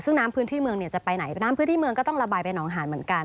ซึ่งน้ำพื้นที่เมืองเนี่ยจะไปไหนน้ำพื้นที่เมืองก็ต้องระบายไปหนองหานเหมือนกัน